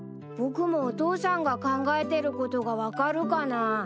僕もお父さんが考えてることが分かるかな？